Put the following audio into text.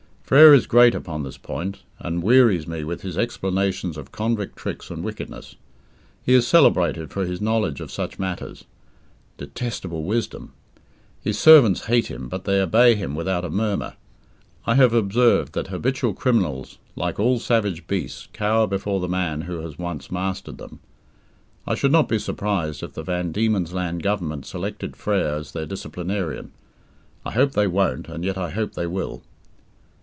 Frere is great upon this point, and wearies me with his explanations of convict tricks and wickedness. He is celebrated for his knowledge of such matters. Detestable wisdom! His servants hate him, but they obey him without a murmur. I have observed that habitual criminals like all savage beasts cower before the man who has once mastered them. I should not be surprised if the Van Diemen's Land Government selected Frere as their "disciplinarian". I hope they won't and yet I hope they will.